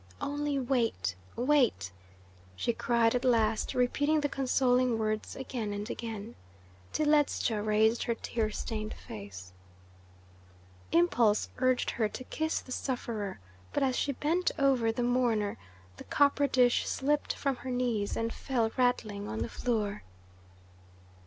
"Only wait, wait," she cried at last, repeating the consoling words again and again, till Ledscha raised her tear stained face. Impulse urged her to kiss the sufferer, but as she bent over the mourner the copper dish slipped from her knees and fell rattling on the floor.